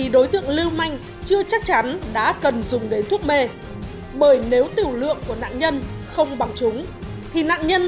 đối tượng lưu manh sử dụng thủ đoạn khá quen thuộc đó là xây dựng niềm tin với nạn nhân